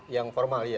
yang formal ya